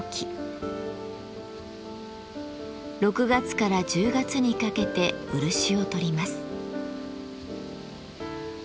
６月から１０月にかけて漆をとります。